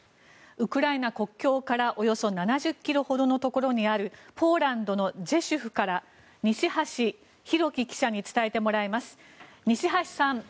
ウクライナ国境からおよそ７０ｋｍほどのところにあるポーランドのジェシュフから西橋拓輝記者に伝えてもらいます西橋さん